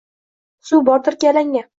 Suv bordirki — alanga.